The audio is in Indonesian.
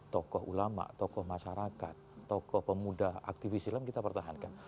tokoh ulama tokoh masyarakat tokoh pemuda aktivis silam kita pertahankan